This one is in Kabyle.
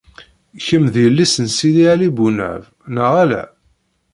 Kem d yelli-s n Sidi Ɛli Bunab, neɣ ala?